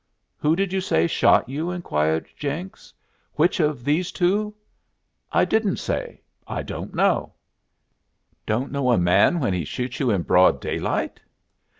"Who did you say shot you?" inquired Jenks. "Which of these two?" "I didn't say. I don't know." "Don't know a man when he shoots you in broad daylight?"